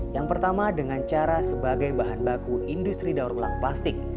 yang pertama dengan cara sebagai bahan baku industri daur ulang plastik